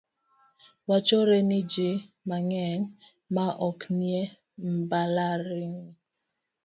Wachore ni ji mang'eny ma ok nie mbalariany.